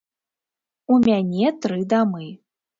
У мяне тры дамы.